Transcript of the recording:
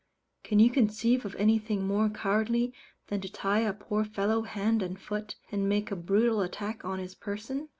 Can you conceive of anything more cowardly than to tie a poor fellow hand and foot, and make a brutal attack on his person?